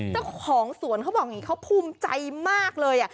เจ้าของสวนเขาบอกอย่างนี้เขาภูมิใจมากเลย